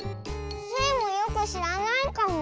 スイもよくしらないかも。